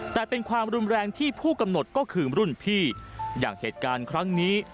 แต่เป็นความรุนแรงที่ผู้กำหนดก็คือรุ่นพี่อย่างเหตุการณ์ครั้งนี้